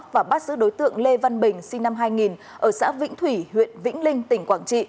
và bắt giữ đối tượng lê văn bình sinh năm hai nghìn ở xã vĩnh thủy huyện vĩnh linh tỉnh quảng trị